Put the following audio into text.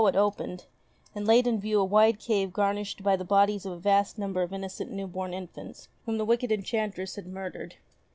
it opened, and laid in view a wide cave garnished by the bodies of a vast number of innocent new born infants whom the wicked enchantress had mur dered.